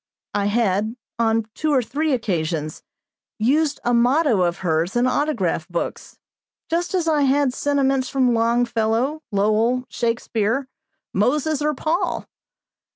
I had, on two or three occasions, used a motto of hers in autograph books, just as I had sentiments from Longfellow, Lowell, Shakespeare, Moses, or Paul.